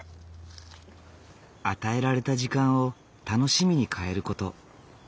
与えられた時間を楽しみに変える事。